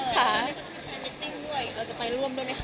ทีมีคาดเรตติ้งด้วยเนี่ยเราจะไปร่วมด้วยมั้ยค่ะ